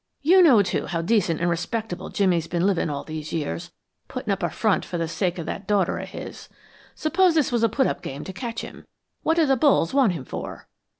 You know, too, how decent and respectable Jimmy's been livin' all these years, putting up a front for the sake of that daughter of his; suppose this was a put up game to catch him what do the bulls want him for?"